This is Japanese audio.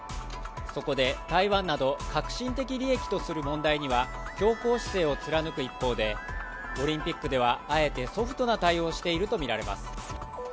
そこで台湾など核心的利益とする問題には強硬姿勢を貫く一方で、オリンピックではあえてソフトな対応をしているとみられます。